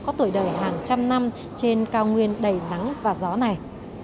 có tuổi đời hàng trăm năm trên cao nguyên đầy nắng và gió này